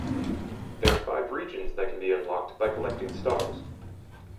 There are five regions that can be unlocked by collecting stars.